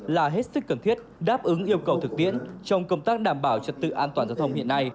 là hết sức cần thiết đáp ứng yêu cầu thực tiễn trong công tác đảm bảo trật tự an toàn giao thông hiện nay